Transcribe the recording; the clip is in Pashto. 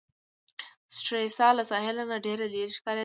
سټریسا له ساحل نه ډېره لیري ښکاریدل.